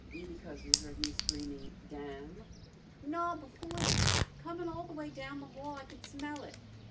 "Because you heard me screaming 'damn'?" "No, before that. Comin' all the way down the hall I could smell it.